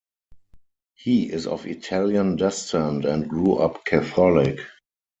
He is of Italian descent and grew up Catholic.